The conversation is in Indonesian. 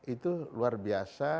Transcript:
itu luar biasa